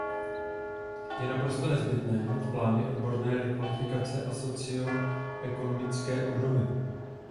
Je naprosto nezbytné mít plány odborné rekvalifikace a socioekonomické obnovy.